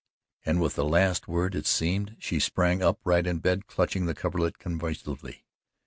And with the last word, it seemed, she sprang upright in bed, clutching the coverlid convulsively.